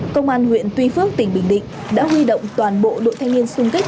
công an huyện tuy phước tỉnh bình định đã huy động toàn bộ đội thanh niên sung kích